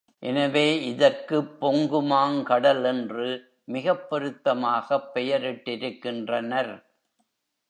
எனவே, இதற்குப் பொங்குமாங் கடல் என்று மிகப் பொருத்தமாகப் பெயரிட்டிருக்கின்றனர்.